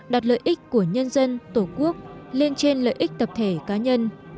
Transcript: đặt lợi ích của nhân dân tổ quốc lên trên lợi ích tập thể cá nhân